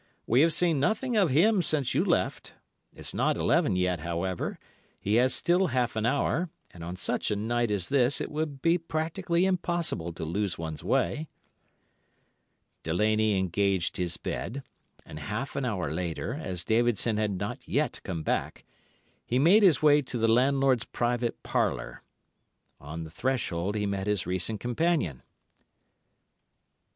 'We have seen nothing of him since you left. It's not eleven yet, however; he has still half an hour, and on such a night as this it would be practically impossible to lose one's way.' "Delaney engaged his bed, and half an hour later, as Davidson had not yet come back, he made his way to the landlord's private parlour. On the threshold he met his recent companion.